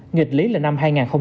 nghịch lý là năm hai nghìn hai mươi